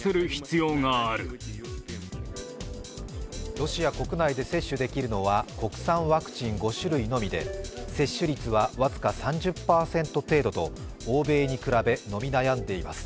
ロシア国内で接種できるのは国産ワクチン５種類のみで接種率は僅か３０％程度と欧米に比べ、伸び悩んでいます。